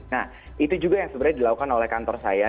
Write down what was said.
nah itu juga yang sebenarnya dilakukan oleh kantor saya